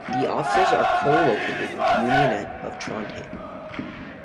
The offices are co-located with Uninett in Trondheim.